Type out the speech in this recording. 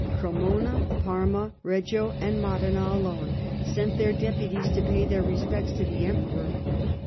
Cremona, Parma, Reggio, and Modena alone sent their deputies to pay their respects to the Emperor.